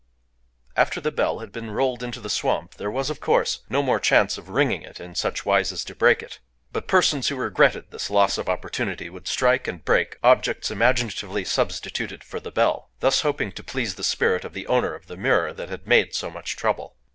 After the bell had been rolled into the swamp, there was, of course, no more chance of ringing it in such wise as to break it. But persons who regretted this loss of opportunity would strike and break objects imaginatively substituted for the bell,—thus hoping to please the spirit of the owner of the mirror that had made so much trouble.